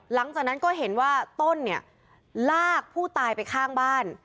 หลังจากนั้นก็เห็นว่าต้นเนี่ยลากผู้ตายไปข้างบ้าน